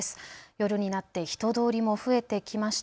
夜になって人通りも増えてきました。